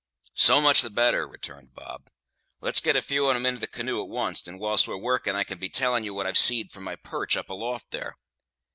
"So much the better," returned Bob. "Let's get a few on 'em into the canoe at once't, and whilst we're working I can be telling ye what I've see'd from my perch up aloft there.